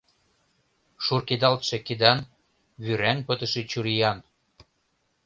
Шуркедалтше кидан, вӱраҥ пытыше чуриян.